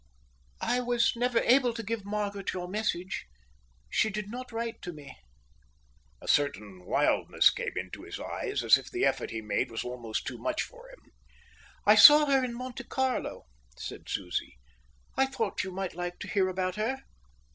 "I was never able to give Margaret your message. She did not write to me." A certain wildness came into his eyes, as if the effort he made was almost too much for him. "I saw her in Monte Carlo," said Susie. "I thought you might like to hear about her."